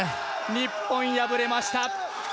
日本、敗れました。